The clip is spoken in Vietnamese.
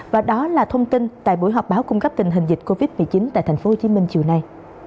và đó là thông tin tại buổi họp báo cung cấp tình hình dịch covid một mươi chín tại tp hcm chiều nay